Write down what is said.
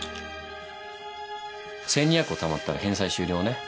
１，２００個たまったら返済終了ね。